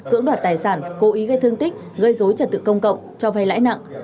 cưỡng đoạt tài sản cố ý gây thương tích gây dối trật tự công cộng cho vay lãi nặng